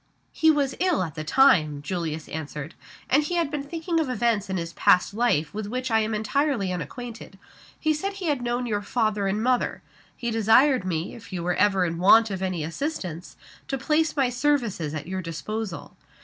_" "He was ill at the time," Julius answered. "And he had been thinking of events in his past life with which I am entirely unacquainted. He said he had known your father and mother. He desired me, if you were ever in want of any assistance, to place my services at your disposal.